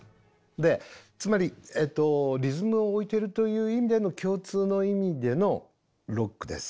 でつまりリズムを置いているという意味での共通の意味でのロックです。